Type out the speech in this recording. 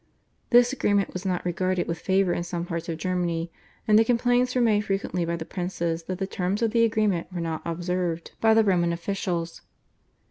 This agreement was not regarded with favour in some parts of Germany, and complaints were made frequently by the princes that the terms of the agreement were not observed by the Roman officials.